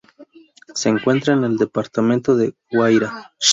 Se encuentra en el departamento de Guairá.